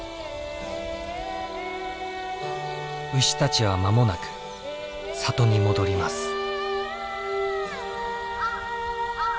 牛たちは間もなく里に戻ります。